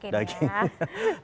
daging ya mungkin ya